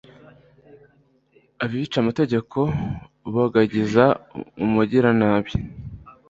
Abica amategeko bogagiza umugiranabi